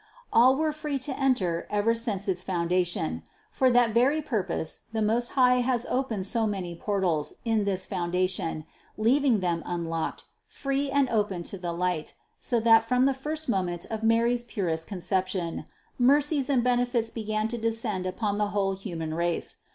All were free to enter ever since its foundation; for that very purpose the Most High has opened so many portals in this foundation, leaving them unlocked, free and open to the light, so that from the first moment of Mary's purest Conception mercies and benefits began to descend upon the whole human race.